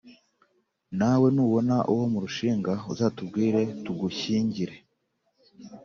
Nawe nubona uwo murushinga uzatubwire tugushyingire